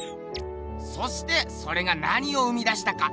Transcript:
そしてそれがなにを生みだしたか？